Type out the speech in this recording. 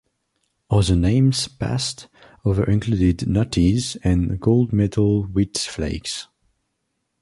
Other names passed over included "Nutties" and "Gold Medal Wheat Flakes".